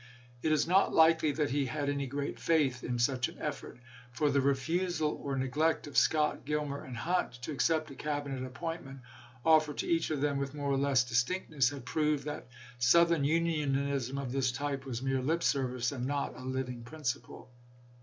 It is not likely that he had any great faith in such an effort ; for the re fusal or neglect of Scott, Gilmer, and Hunt to accept a Cabinet appointment, offered to each of them with more or less distinctness, had proved that Southern Unionism of this type was mere lip service and not a living principle.